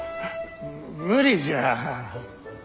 無理じゃ。